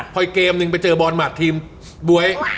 พออีกเกมนึงไปเจอบอลหมัดทีมบ๊วย